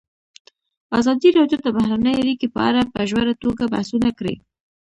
ازادي راډیو د بهرنۍ اړیکې په اړه په ژوره توګه بحثونه کړي.